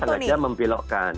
ada juga yang sengaja mempilokkan